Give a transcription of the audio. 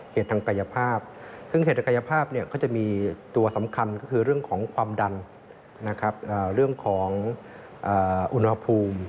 เหตุทางกายภาพซึ่งเหตุกายภาพก็จะมีตัวสำคัญก็คือเรื่องของความดันนะครับเรื่องของอุณหภูมิ